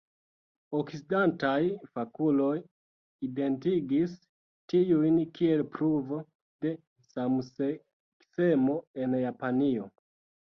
Okcidentaj fakuloj identigis tiujn kiel pruvo de samseksemo en Japanio.